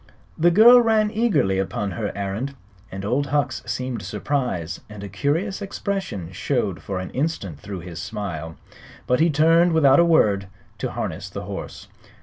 The girl ran eagerly upon her errand. Old Hucks seemed surprised, and a curious expression showed for an instant through his smile. But he turned without a word to harness the horse.